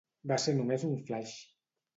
Va ser només un flaix.